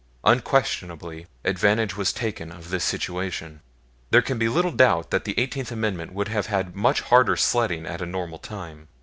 Unquestionably, advantage was taken of this situation, there can be little doubt that the Eighteenth Amendment would have had much harder sledding at a normal time.